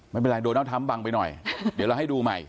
ไม่เป็นไรโดนัลดทรัมป์บังไปหน่อยเดี๋ยวเราให้ดูใหม่